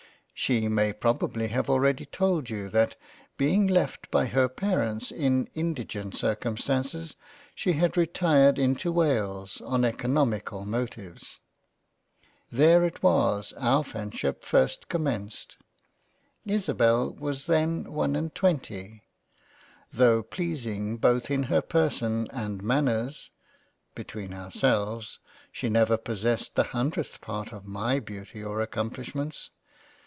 She may probably have already told you that being left by her Parents in indigent Cir cumstances she had retired into Wales on eoconomical motives. There it was our freindship first commenced. Isabel was then one and twenty. Tho' pleasing both in her Person and Manners (between ourselves) she never possessed the hundredth part of my Beauty or Accomplishments.